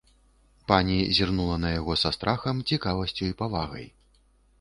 Пані зірнула на яго са страхам, цікавасцю і павагай.